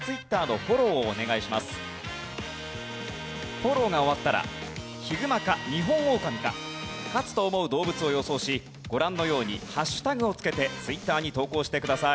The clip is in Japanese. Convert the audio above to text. フォローが終わったらヒグマかニホンオオカミか勝つと思う動物を予想しご覧のように＃を付けてツイッターに投稿してください。